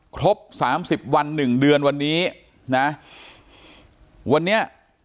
ครบ๓๐วัน๑เดือนวันนี้นะ